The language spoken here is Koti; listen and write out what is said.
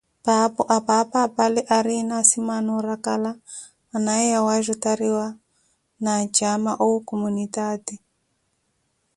Paapho, apaapa apale ariina asimaana oorakala anaaye wajutariwa na acaama owu kumunitaati.